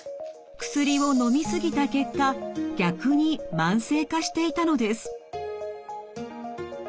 薬をのみ過ぎた結果逆に慢性化していたのです。